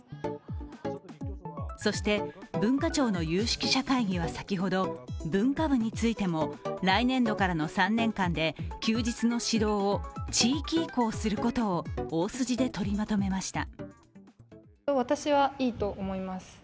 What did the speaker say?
そして文化庁の有識者会議は先ほど文化部についても来年度からの３年間で休日の指導を地域移行することを大筋で取りまとめました。